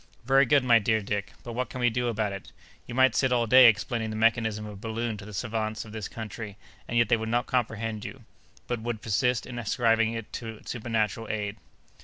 "Very good, my dear Dick; but what can we do about it? You might sit all day explaining the mechanism of a balloon to the savants of this country, and yet they would not comprehend you, but would persist in ascribing it to supernatural aid."